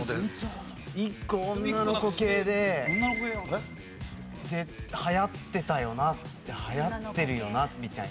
１個女の子系で流行ってたよな流行ってるよなみたいな。